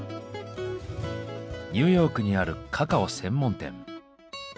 ニューヨークにあるカカオ専門店。